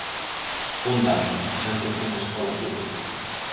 Un dato: sempre fun á escola pública.